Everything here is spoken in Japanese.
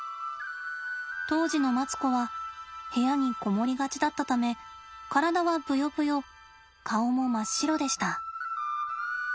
当時のマツコは部屋に籠もりがちだったため体はぶよぶよ顔も真っ白でした。